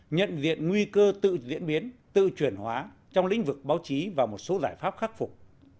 nhận diện nguy cơ tự diễn biến tự chuyển hóa trong lĩnh vực báo chí và một số giải pháp khắc phục